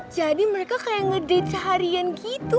jadi mereka kayak ngedate seharian gitu